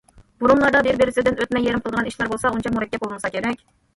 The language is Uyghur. بۇرۇنلاردا، بىر- بىرسىدىن ئۆتنە- يېرىم قىلىدىغان ئىشلار بولسا ئۇنچە مۇرەككەپ بولمىسا كېرەك.